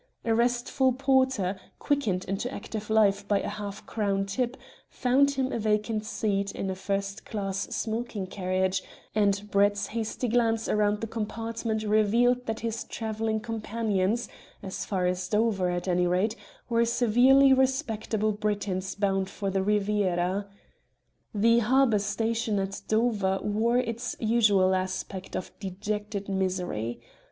A restful porter, quickened into active life by a half crown tip, found him a vacant seat in a first class smoking carriage, and Brett's hasty glance round the compartment revealed that his travelling companions, as far as Dover, at any rate, were severely respectable Britons bound for the Riviera. The harbour station at Dover wore its usual aspect of dejected misery.